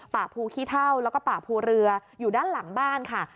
ป่าภูขี้เท่าแล้วก็ป่าภูเรืออยู่ด้านหลังบ้านค่ะ